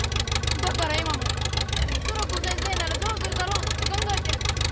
だから今もトラコ先生ならどうするだろうって考えてる。